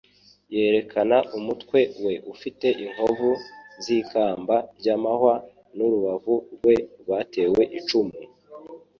Yerekana umutwe we ufite inkovu z'ikamba ry'amahwa n'urubavu rwe rwatewe icumu,